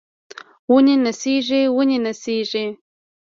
ونې نڅیږي ونې نڅیږي